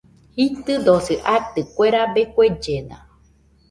Jitɨdosi atɨ, kue rabe kuellena